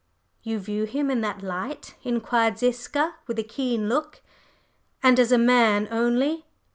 "You view Him in that light?" inquired Ziska with a keen look. "And as man only?"